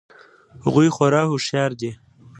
هغوی خورا هوښیار دي